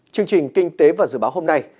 chương trình kinh tế và dự báo hôm nay